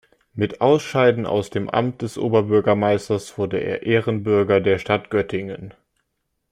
Mit Ausscheiden aus dem Amt des Oberbürgermeisters wurde er Ehrenbürger der Stadt Göttingen.